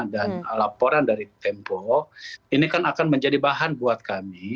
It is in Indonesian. dan laporan dari tempo ini kan akan menjadi bahan buat kami